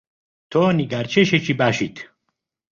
تۆ نیگارکێشێکی باشیت.